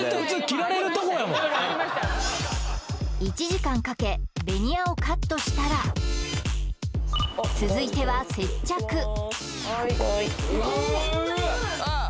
１時間かけベニヤをカットしたら続いては接着いきます